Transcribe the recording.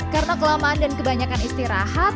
karena kelamaan dan kebanyakan istirahat